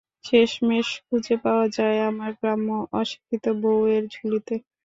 শেষমেশ খুজে পাওয়া যায় আমার গ্রাম্য, অশিক্ষিত বউ এর ঝুলিতে।